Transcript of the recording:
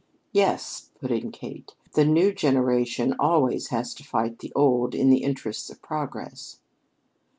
"Yes," put in Kate, "the new generation always has to fight the old in the interests of progress."